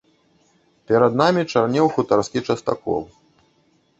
Перад намі чарнеў хутарскі частакол.